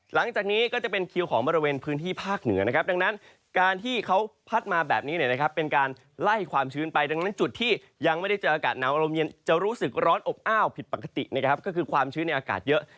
หลังจากนี้ก็จะเป็นคิวของบริเวณพื้นที่ภาคเหนือนะครับดังนั้นการที่เขาพัดมาแบบนี้เนี่ยนะครับเป็นการไล่ความชื้นไปดังนั้นจุดที่ยังไม่ได้เจออากาศหนาวลมเย็นจะรู้สึกร้อนอบอ้าวผิดปกตินะครับก็คือความชื้นในอากาศเยอะ